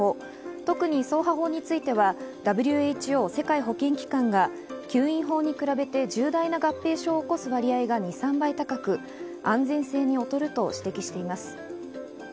特に掻爬法についてはＷＨＯ＝世界保健機関が吸引法に比べて重大な合併症を起こす割合が２３倍高く、安全性に劣ると指摘しています。